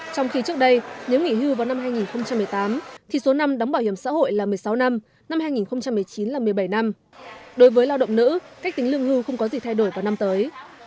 trong khi trước đây nếu nghỉ hưu vào năm hai nghìn một mươi tám thì số năm đóng bảo hiểm xã hội là một mươi sáu năm năm hai nghìn một mươi chín là một mươi bảy năm đối với lao động nữ cách tính lương hưu không có gì thay đổi vào năm tới